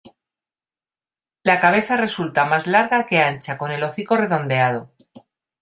La cabeza resulta más larga que ancha, con el hocico redondeado.